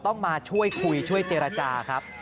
ต้องมาช่วยคุยช่วยเจรจาครับ